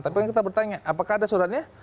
tapi kan kita bertanya apakah ada suratnya